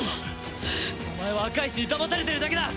お前は赤石にだまされてるだけだ！